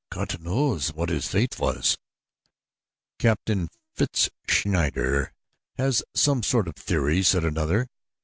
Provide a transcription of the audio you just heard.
Gott knows what his fate was." "Captain Fritz Schneider has some sort of theory," said another.